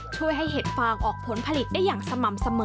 ช่วยให้เห็ดฟางออกผลผลิตได้อย่างสม่ำเสมอ